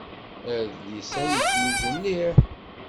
Adlis-a yettnuzu mliḥ.